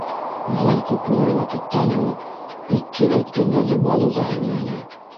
Малай күпмелер ваҡыттан һуң Икки әйткәндәрҙе Балуға һөйләне.